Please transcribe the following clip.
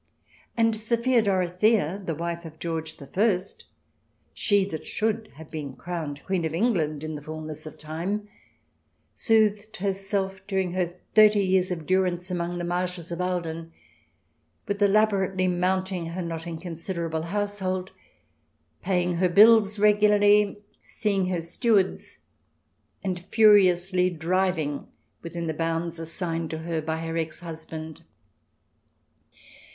And Sophia Dorothea, the wife of George I, she that should have been crowned Queen of England in the fulness of time, soothed herself, during her thirty years of durance among the marshes of Ahlden, with elaborately mounting her not incon siderable household, paying her bills regularly, seeing her stewards, and furiously driving within the bounds assigned her by her ex husband.